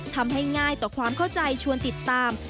ทำให้ง่ายต่อความเข้าใจชวนติดตาม